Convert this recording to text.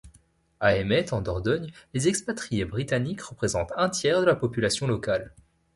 À Eymet en Dordogne, les expatriés britanniques représentent un tiers de la population locale.